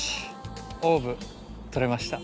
オーブとれました。